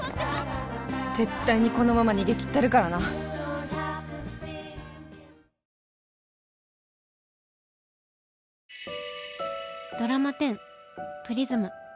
絶対にこのまま逃げきったるからなドラマ１０「プリズム」。